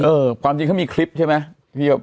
ความจริงเขามีคลิปใช่ไหม